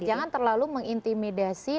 jangan terlalu mengintimidasi